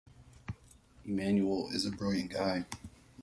Immanuel is a brilliant guy.